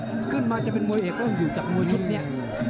มันขึ้นมาจะเป็นมวยเอกต้องอยู่กับมวยชุดนี้